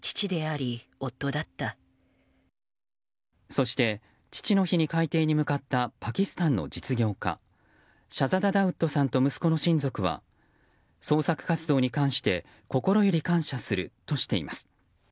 そして父の日に海底に向かったパキスタンの実業家シャザダ・ダウッドさんと息子の親族は捜索活動に関して心より感謝するとしています。